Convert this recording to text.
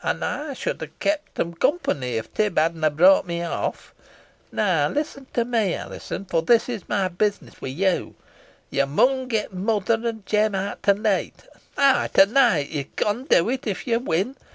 An ey should ha kept em company, if Tib hadna brought me off. Now, listen to me, Alizon, fo' this is my bus'ness wi' yo. Yo mun get mother an Jem out to neet eigh, to neet. Yo con do it, if yo win.